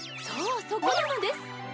そうそこなのです！